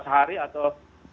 hari atau enam belas tujuh belas